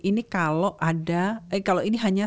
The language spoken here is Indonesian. ini kalau ada eh kalau ini hanya